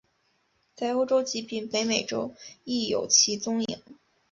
在欧洲及北美洲亦有其踪影。